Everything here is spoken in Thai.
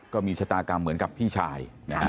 ก็มีชะตากรรมเหมือนกับพี่ชาย